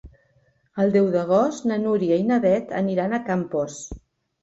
El deu d'agost na Núria i na Beth aniran a Campos.